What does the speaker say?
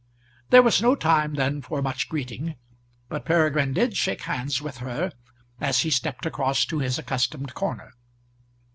There was no time then for much greeting, but Peregrine did shake hands with her as he stept across to his accustomed corner.